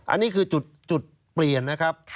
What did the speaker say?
อันนี้คือจุดเปลี่ยนนะครับ